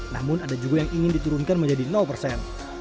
namun ada juga yang ingin diturunkan menjadi persen